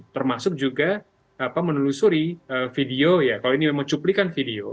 termasuk juga menelusuri video ya kalau ini memang cuplikan video